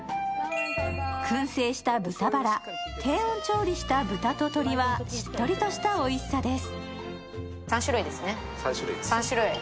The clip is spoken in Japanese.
くん製した豚バラ、低温調理した豚と鶏はしっとりとしたおいしさです。